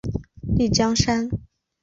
丽江杉